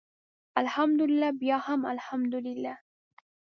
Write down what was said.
الحمدلله بیا هم الحمدلله.